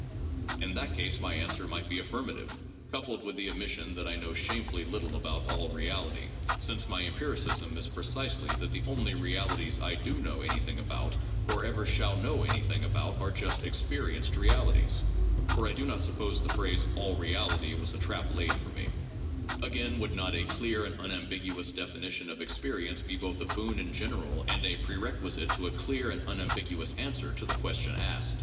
In that case my answer might be affirmative, coupled with the admission that I know shamefully little about '' all reality, '' since my empiricism is precisely that the only realities I do know anything about or ever shall know anything about are just exper ienced realities— for I do not suppose the phrase "all reality" was a trap laid for me. PSYCHOLOGY AND SCIENTIFIC METHODS 21 Again, would not a "clear and unambiguous" definition of ex perience be both a boon in general and a prerequisite to a clear and unambiguous answer to the question asked?